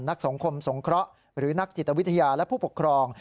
สงคมสงเคราะห์หรือนักจิตวิทยาและผู้ปกครอง